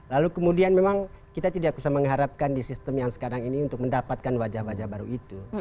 lalu kemudian memang kita tidak bisa mengharapkan di sistem yang sekarang ini untuk mendapatkan wajah wajah baru itu